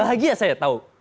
bahagia saya tahu